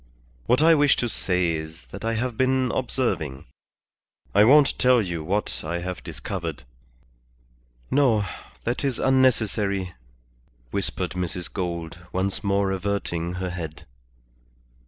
What I wish to say is that I have been observing. I won't tell you what I have discovered " "No. That is unnecessary," whispered Mrs. Gould, once more averting her head.